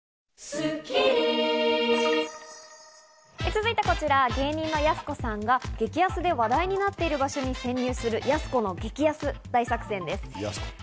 続いてはこちら、芸人のやす子さんが激安で話題になってる場所に潜入する「やす子の激安大作戦！」です。